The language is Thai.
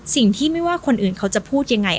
สิ่งที่ไม่ว่าคนอื่นเขาจะพูดยังไง